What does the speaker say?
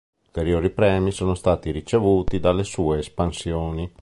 Ulteriori premi sono stati ricevuti dalle sue espansioni.